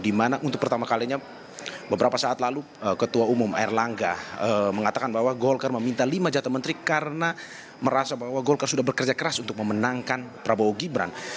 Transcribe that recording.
dimana untuk pertama kalinya beberapa saat lalu ketua umum air langga mengatakan bahwa golkar meminta lima jatah menteri karena merasa bahwa golkar sudah bekerja keras untuk memenangkan prabowo gibran